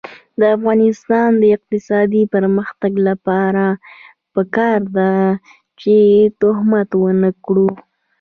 د افغانستان د اقتصادي پرمختګ لپاره پکار ده چې تهمت ونکړو.